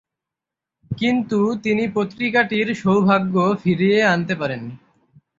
কিন্তু তিনি পত্রিকাটির সৌভাগ্য ফিরিয়ে আনতে পারেননি।